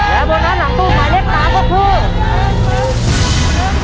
และโบนัสหลังตู้หมายเลข๓ก็คือ